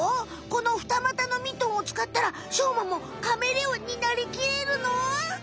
このふたまたのミトンをつかったらしょうまもカメレオンになりきれるの？